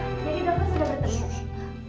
oh jadi dokter sudah datang